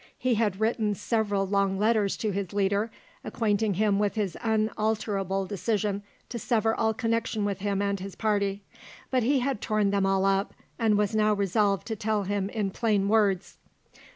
He had written several long letters to his leader, acquainting him with his unalterable decision to sever all connection with him and his party; but he had torn them all up, and was now resolved to tell him in plain words.